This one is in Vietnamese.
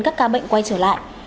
các ca bệnh quay trở lại